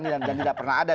dan tidak pernah ada